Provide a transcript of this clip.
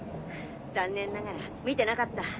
残念ながら見てなかった。